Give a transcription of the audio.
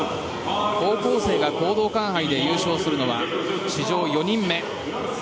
高校生が講道館杯で優勝するのは史上４人目。